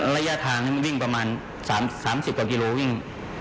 ระยะทางวิ่งประมาณ๓๐กว่ากิโลวิ่ง